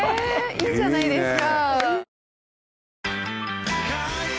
いいじゃないですか。